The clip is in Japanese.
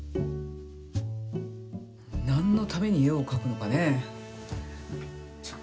なんのために絵をかくのかね。